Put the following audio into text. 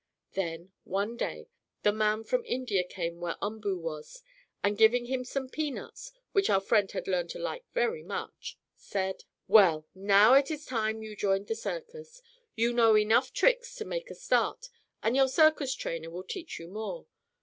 Then, one day, the man from India came where Umboo was, and giving him some peanuts, which our friend had learned to like very much, said: "Well, now it is time you joined the circus. You know enough tricks to make a start, and your circus trainer will teach you more.